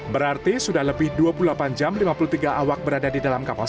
berarti sudah lebih dua puluh delapan jam lima puluh tiga awak berada di dalam kapal